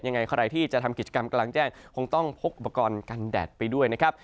ยังไงใครที่จะทำกิจกรรมกำลังแจ้งคงต้องพกอุปกรณ์กันแดดไปด้วยนะครับ